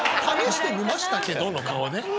「試してみましたけど？」の顔ね。